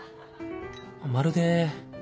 まるで